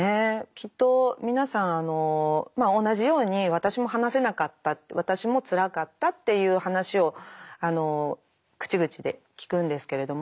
きっと皆さん同じように私も話せなかった私もつらかったっていう話を口々で聞くんですけれども。